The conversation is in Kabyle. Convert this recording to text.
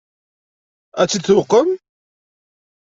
Ad tt-id-tuqem?